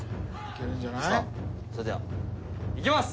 さあそれではいきます